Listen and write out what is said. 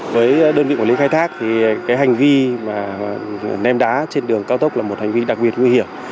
với đơn vị quản lý khai thác thì cái hành vi mà ném đá trên đường cao tốc là một hành vi đặc biệt nguy hiểm